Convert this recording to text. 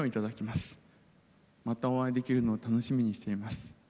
またお会いできるのを楽しみにしています。